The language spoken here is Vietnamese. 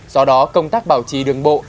trong đó công tác bảo trí đường bộ